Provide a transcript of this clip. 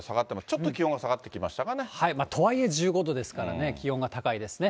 ちょっと気温が下がってきましたかね。とはいえ１５度ですからね、気温が高いですね。